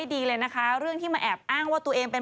พูดมากเลย